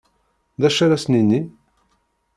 D acu ara as-nini?